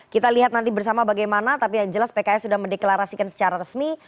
kita lihat nanti bersama bagaimana tapi yang jelas pks sudah mendeklarasikan secara resmi